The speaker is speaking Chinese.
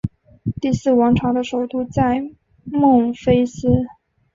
第四王朝的首都在孟菲斯。